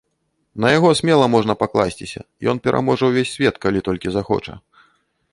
На яго смела можна пакласціся, ён пераможа ўвесь свет, калі толькі захоча.